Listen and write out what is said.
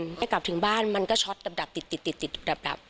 เมื่อกลับถึงบ้านมันก็ช็อตดับ